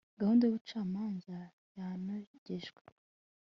Gahunda yubucamanza yanogejwe